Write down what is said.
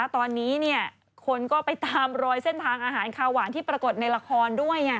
ตอนนี้คนก็ไปตามรอยเส้นทางอาหารคาวหวานที่ปรากฏในละครด้วย